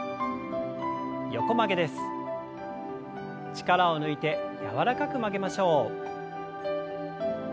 力を抜いて柔らかく曲げましょう。